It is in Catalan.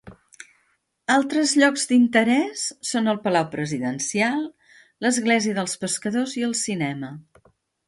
Altres llocs d'interès són el Palau Presidencial, l'església dels Pescadors i el cinema.